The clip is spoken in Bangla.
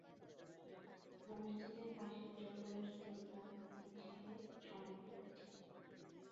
মসজিদের পাশে জোহরের সুলতান হুসেইন শাহের সমাধি রয়েছে।